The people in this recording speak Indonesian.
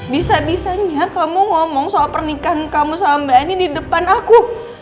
bisa bisanya kamu ngomong soal pernikahan kamu sama mbak ani di depan aku